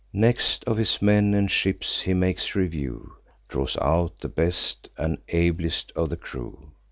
Next, of his men and ships he makes review; Draws out the best and ablest of the crew.